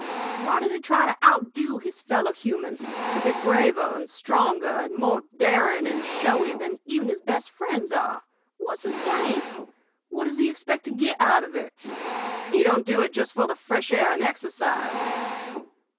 Why does he try to outdo his fellow humans, and be braver and stronger and more daring and showy than even his best friends are? What's his game? What does he expect to get out of it? He don't do it just for the fresh air and exercise.